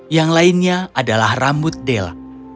yang lainnya adalah rambut del